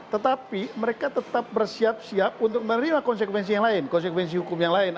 tetapi mereka tetap bersiap siap untuk menerima konsekuensi yang lain konsekuensi hukum yang lain